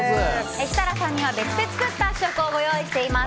設楽さんには別で作った試食をご用意しています。